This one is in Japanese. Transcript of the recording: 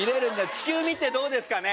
地球見てどうですかね？